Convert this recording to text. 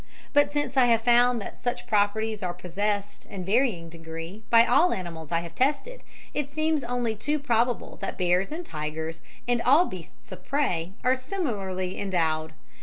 But since I have found that such properties are possessed in varying degree by all animals I have tested, it seems only too probable that bears and tigers, and all beasts of prey, are similarly endowed.